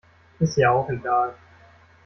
Ist ja auch egal.